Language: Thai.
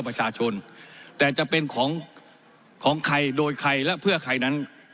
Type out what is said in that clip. ประชาชนแต่จะเป็นของของใครโดยใครและเพื่อใครนั้น